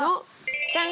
じゃん！